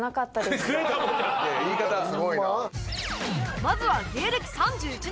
まずは芸歴３１年